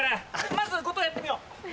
まず後藤やってみよう。